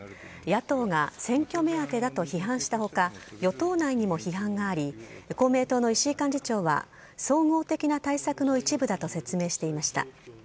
野党が選挙目当てだと批判したほか、与党内にも批判があり、公明党の石井幹事長は、総合的な対策の一部だと説明していました。